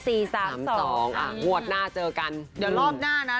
สี่สามสองทำสองอ่ะงวดหน้าเจอกันเดี๋ยวรอบหน้าน่ะ